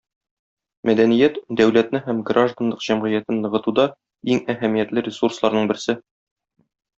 Мәдәният - дәүләтне һәм гражданлык җәмгыятен ныгытуда иң әһәмиятле ресурсларның берсе.